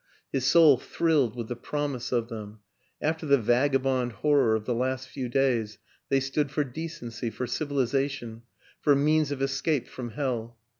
His soul thrilled with the promise of them; after the vaga bond horror of the last few days they stood for decency, for civilization, for a means of escape from hell.